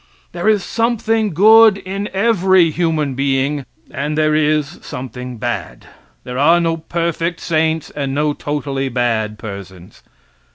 There is something good in every human being, and there is something bad. There are no perfect saints and no totally bad persons.